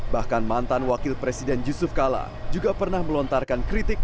bahkan mantan wakil presiden yusuf kala juga pernah melontarkan kritik